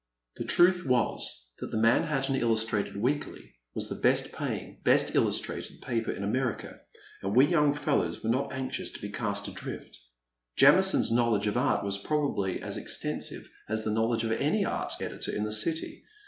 The truth was that the Manhattan Illustrated Weekly was the best paying, best illustrated paper in America, an(J we young fellows were not anxious to be cast adrift. Jamison's knowledge of art was probably as extensive as the knowledge of any Art editor " in the city.